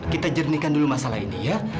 kita jernihkan dulu masalah ini ya